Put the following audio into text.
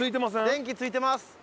電気ついてます！